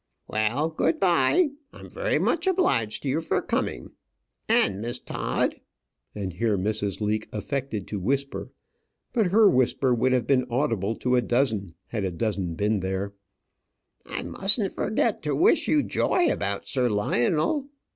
"Well, good bye; I'm very much obliged to you for coming, and Miss Todd" and here Mrs. Leake affected to whisper; but her whisper would have been audible to a dozen, had a dozen been there "I mustn't forget to wish you joy about Sir Lionel.